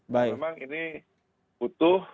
memang ini butuh